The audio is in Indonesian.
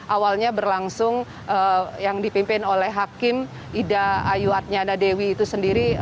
awalnya berlangsung yang dipimpin oleh hakim ida ayu atnyana dewi itu sendiri